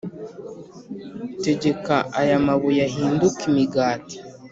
. Tegeka aya mabuye ahinduke imigati.